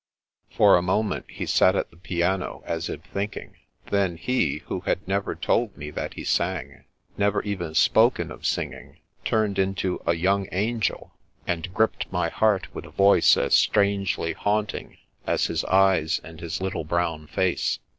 For a moment he sat at the piano, as if thinking. Then he, who had never told me that he sang, never even spoken of singing, turned into a young angel, 1 88 The Princess Passes and gripped my heart with a voice as strangely haunting as his eyes and his little brown face.